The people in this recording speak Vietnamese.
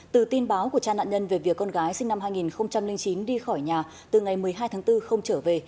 từ tin báo của cha nạn nhân về việc con gái sinh năm hai nghìn chín đi khỏi nhà từ ngày một mươi hai tháng bốn không trở về